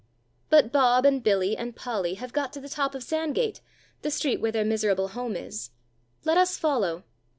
But Bob and Billy and Polly have got to the top of Sandgate, the street where their miserable home is; let us follow.